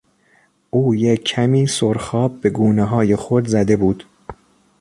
او یک کمی سرخاب به گونههای خود زده بود.